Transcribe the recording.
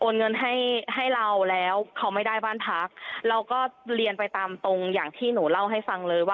เงินให้ให้เราแล้วเขาไม่ได้บ้านพักเราก็เรียนไปตามตรงอย่างที่หนูเล่าให้ฟังเลยว่า